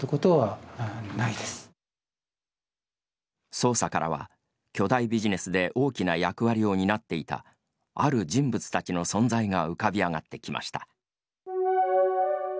捜査からは、巨大ビジネスで大きな役割を担っていたある人物たちの存在が浮かび上がってきました。